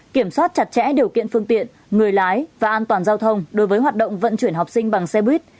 kiểm soát chặt chẽ điều kiện phương tiện người lái và an toàn giao thông đối với hoạt động vận chuyển học sinh bằng xe buýt